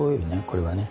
これはね。